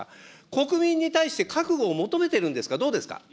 国民に対して覚悟を求めてるんですか、どうですか。